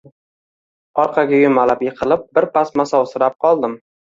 Orqaga yumalab yiqilib, birpas masovsirab qoldim